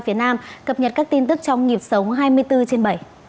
việt nam cập nhật các tin tức trong nhịp sống hai mươi bốn trên bảy